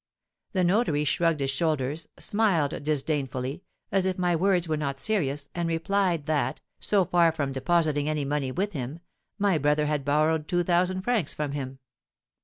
The notary shrugged his shoulders, smiled disdainfully, as if my words were not serious, and replied that, so far from depositing any money with him, my brother had borrowed two thousand francs from him.